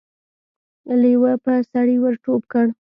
لېوه په سړي ور ټوپ کړ.